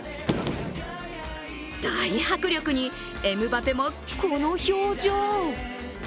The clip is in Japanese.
大迫力に、エムバペもこの表情。